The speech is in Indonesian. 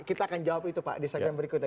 kita akan jawab itu pak di saat yang berikutnya